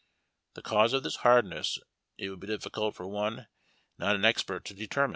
The cause of this hardness it would be difficult for one not an expert to determine.